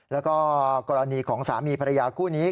แล้วก็กรณีของสามีภรรยาคู่นี้